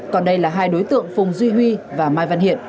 còn đây là hai đối tượng phùng duy huy và mai văn hiện